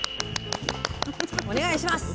お願いします。